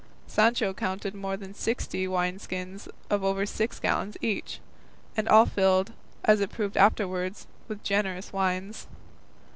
Sancho counted more than sixty wine skins of over six gallons each, and all filled, as it proved afterwards, with generous wines.